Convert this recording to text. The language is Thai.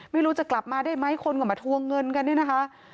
ไม่รู้จะกลับมาได้ไหมคนก็มาทวงเงินกันเนี่ยนะคะ